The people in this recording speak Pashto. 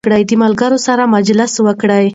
د ملګرو سره مجلس وکړئ.